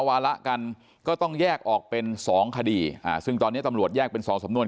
วาระกันก็ต้องแยกออกเป็นสองคดีอ่าซึ่งตอนนี้ตำรวจแยกเป็นสองสำนวน